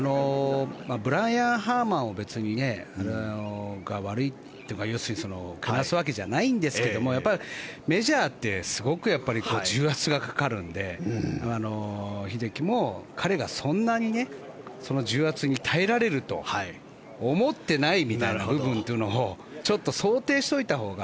ブライアン・ハーマンが悪いとか要するにけなすわけじゃないんですがメジャーってすごく重圧がかかるんで英樹も、彼がそんなに重圧に耐えられると思ってないみたいな部分をちょっと想定しておいたほうが。